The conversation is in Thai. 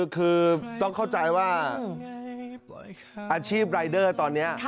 คือต้องเข้าใจว่าอาชีพรายเดอร์ตอนนี้